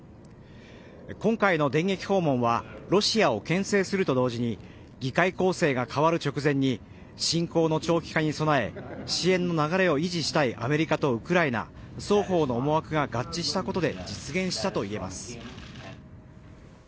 今回の電撃訪問はロシアをけん制すると同時に議会構成が変わる直前に侵攻の長期化に備え支援の流れを維持したいアメリカとウクライナ双方の思惑が合致したことで実現したといえます。